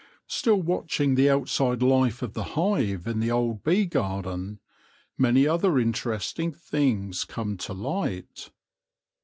Still watching the outside life of the hive in the old bee garden, many other interesting things come to light.